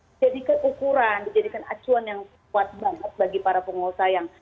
dijadikan ukuran dijadikan acuan yang kuat banget bagi para pengusaha yang